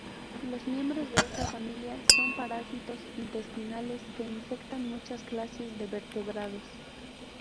Los miembros de esta familia son parásitos intestinales que infectan muchas clases de vertebrados.